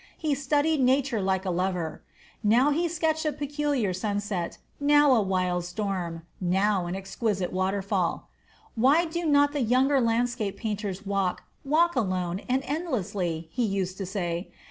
He studied nature like a lover; now he sketched a peculiar sunset, now a wild storm, now an exquisite waterfall. "Why do not the younger landscape painters walk walk alone, and endlessly?" he used to say.